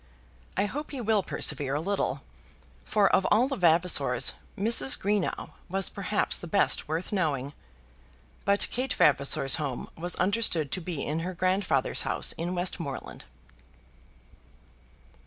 I hope he will persevere a little, for of all the Vavasors Mrs. Greenow was perhaps the best worth knowing. But Kate Vavasor's home was understood to be in her grandfather's house in Westmoreland.